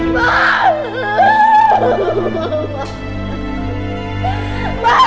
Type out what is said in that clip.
maaf pak maaf pak